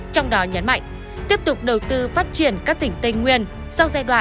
trong đó nhấn mạnh tiếp tục đầu tư phát triển các tỉnh tây nguyên sau giai đoạn hai nghìn hai mươi hai nghìn hai mươi